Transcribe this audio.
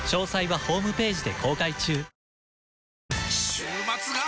週末が！！